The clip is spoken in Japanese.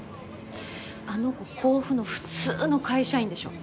あの子甲府の普通の会社員でしょ。